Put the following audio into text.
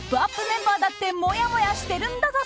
メンバーだってもやもやしてるんだぞ！